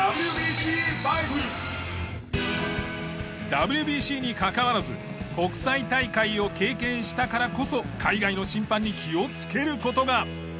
ＷＢＣにかかわらず国際大会を経験したからこそ海外の審判に気をつける事が。